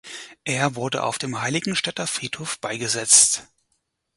Er wurde auf dem Heiligenstädter Friedhof beigesetzt.